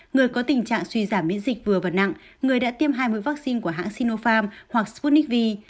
người có tình trạng suy giảm miễn dịch vừa và nặng người đã tiêm hai mũi vaccine của hãng sinopharm hoặc sputnik v